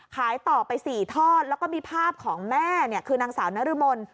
ขายต่อไป๔ทอดแล้วก็มีภาพของแม่คือนางสาวนรมน